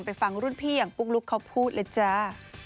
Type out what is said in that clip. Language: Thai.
ฟังรุ่นพี่อย่างปุ๊กลุ๊กเขาพูดเลยจ้า